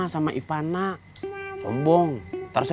kan tipik kamu gede